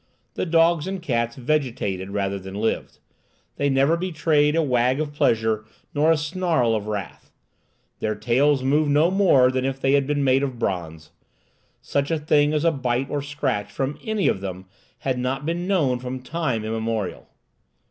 The dogs and cats vegetated rather than lived. They never betrayed a wag of pleasure nor a snarl of wrath. Their tails moved no more than if they had been made of bronze. Such a thing as a bite or scratch from any of them had not been known from time immemorial.